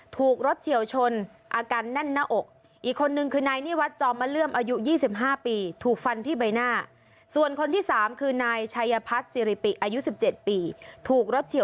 ถูกรถเฉียวชนอาการแน่นหน้าอก